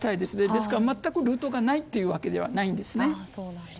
ですから全くルートがないというわけではないんですね。